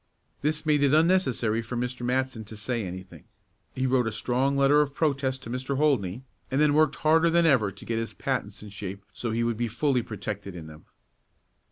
This made it unnecessary for Mr. Matson to say anything. He wrote a strong letter of protest to Mr. Holdney, and then worked harder than ever to get his patents in shape so he would be fully protected in them.